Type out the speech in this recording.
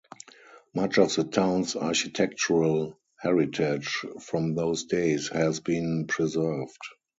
Much of the town's architectural heritage from those days has been preserved.